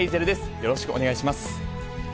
よろしくお願いします。